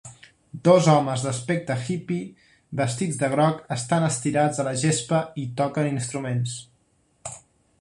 Dos homes d'aspecte hippie vestits de groc estan estirats a la gespa i toquen instruments.